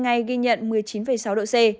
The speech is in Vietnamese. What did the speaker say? ngày ghi nhận một mươi chín sáu độ c